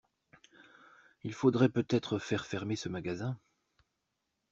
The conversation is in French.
Il faudrait peut-être faire fermer ce magasin.